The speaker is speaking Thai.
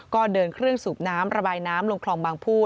ก็เดินเครื่องสูบน้ำระบายน้ำลงคลองบางผู้